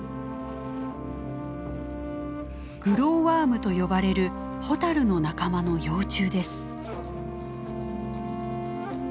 グローワームと呼ばれるホタルの仲間の幼虫です。